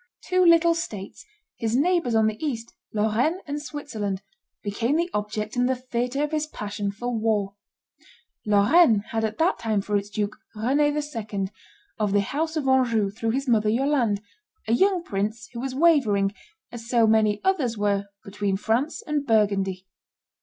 Two little states, his neighbors on the east, Lorraine and Switzerland, became the object and the theatre of his passion for war. Lorraine had at that time for its duke Rene II., of the house of Anjou through his mother Yolande, a young prince who was wavering, as so many others were, between France and Burgundy.